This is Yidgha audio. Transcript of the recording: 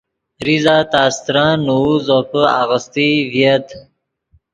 زیزہ تا استرن نوؤ زوپے آغیستئی ڤییت